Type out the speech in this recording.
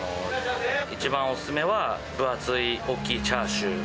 一番お勧めは、分厚い、大きいチャーシュー。